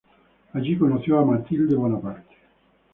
Allí conoció a Mathilde Bonaparte.